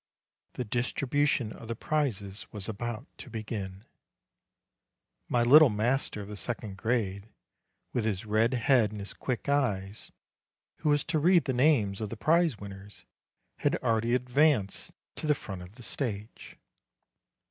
The distribution of the prizes was about to begin. My little master of the second grade, with his red head and his quick eyes, who was to read the names of the prize winners, had already advanced to the front of the stage.